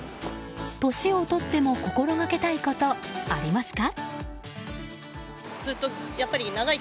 年を取っても心がけたいことありますか？